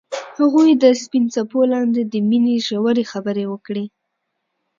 هغوی د سپین څپو لاندې د مینې ژورې خبرې وکړې.